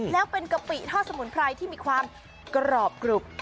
แล้วเป็นกะปิทอดสมุนไพรที่มีความกรอบกรุบ